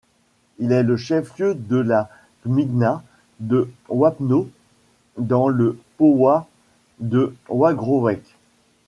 Il est le chef-lieu de la gmina de Wapno, dans le powiat de Wągrowiec.